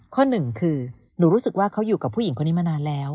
ข้อหนึ่งคือหนูรู้สึกว่าเขาอยู่กับผู้หญิงคนนี้มานานแล้ว